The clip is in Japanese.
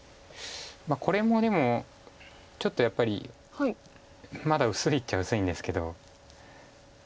これもでもちょっとやっぱりまだ薄いっちゃ薄いんですけど。